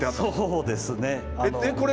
そうですね。